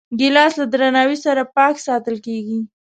ګیلاس له درناوي سره پاک ساتل کېږي.